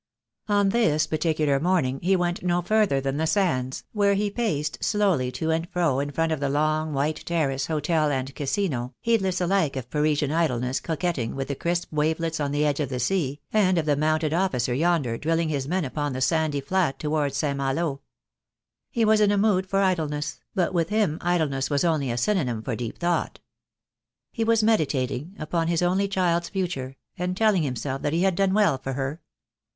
On this particular morning he went no further than the sands, where he paced slowly to and fro in front of the long white terrace, hotel, and casino, heedless alike of Parisian idlesse coquetting with the crisp wavelets on the edge of the sea, and of the mounted officer yonder drilling his men upon the sandy flat towards St. Malo. He was in a mood for idleness, but with him idleness was only a synonym for deep thought. He was meditat ing upon his only child's future, and telling himself that he had done well for her.